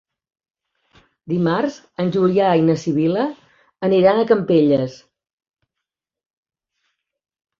Dimarts en Julià i na Sibil·la aniran a Campelles.